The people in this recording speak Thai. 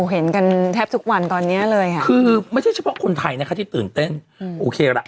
โอ้เห็นกันแทบทุกวันตอนเนี้ยเลยค่ะคือไม่ใช่เฉพาะคนไทยนะคะ